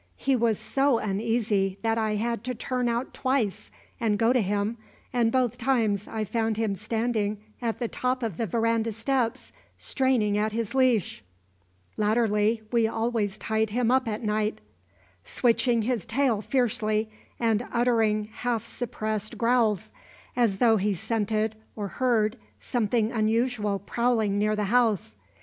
He was so uneasy that I had to turn out twice and go to him, and both times I found him standing at the top of the veranda steps, straining at his leash," (latterly we always tied him up at night) "switching his tail fiercely, and uttering half suppressed growls, as though he scented or heard something unusual prowling near the house.